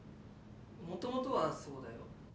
もともとはそうだよ。